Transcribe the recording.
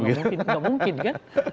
gak mungkin kan